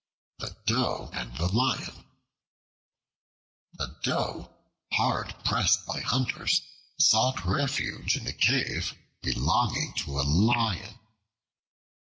The Doe and the Lion A DOE hard pressed by hunters sought refuge in a cave belonging to a Lion.